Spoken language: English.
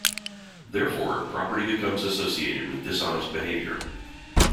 Therefore, property becomes associated with dishonest behaviour.